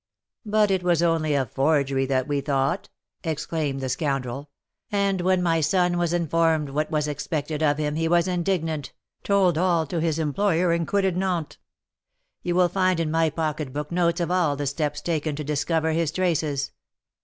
"But it was only of forgery that we thought," exclaimed the scoundrel; "and when my son was informed what was expected of him, he was indignant, told all to his employer, and quitted Nantes. You will find in my pocketbook notes of all the steps taken to discover his traces.